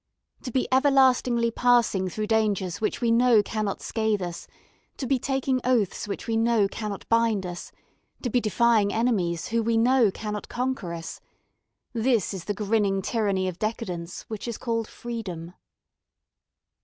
To be everlastingly passing through dangers which we know cannot scathe us, to be taking oaths which we know cannot bind us, to be defying enemies who we know cannot conquer us this is the grinning tyranny of decadence which is called freedom.